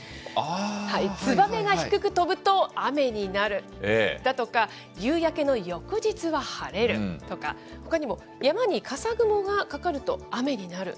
ツバメが低く飛ぶと雨になるだとか、夕焼けの翌日は晴れるとか、ほかにも、山に笠雲がかかると雨になる。